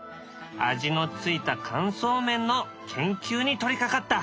味のついた乾燥麺の研究に取りかかった。